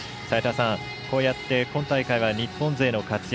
こうやって今大会は日本勢の活躍